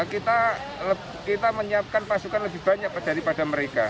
kita menyiapkan pasukan lebih banyak daripada mereka